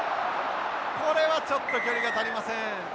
これはちょっと距離が足りません。